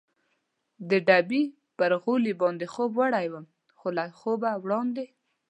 د ډبې پر غولي باندې خوب یووړم، خو له خوبه وړاندې.